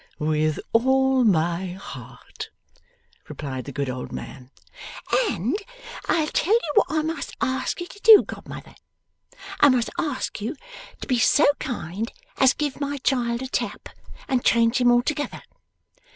'With all my heart,' replied the good old man. 'And I'll tell you what I must ask you to do, godmother. I must ask you to be so kind as give my child a tap, and change him altogether.